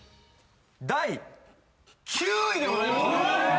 第９位でございました